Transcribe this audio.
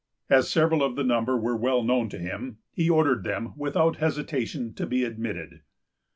As several of the number were well known to him, he ordered them, without hesitation, to be admitted.